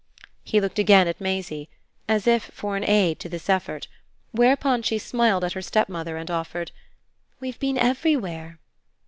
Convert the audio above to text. He looked again at Maisie as if for an aid to this effort; whereupon she smiled at her stepmother and offered: "We've been everywhere."